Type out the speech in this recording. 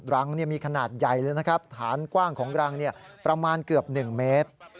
รังมีขนาดใหญ่เลยนะครับฐานกว้างของรังประมาณเกือบ๑เมตร